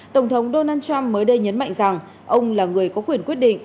tổng thống donald trump mới đây nhấn mạnh rằng ông là người có quyền quyết định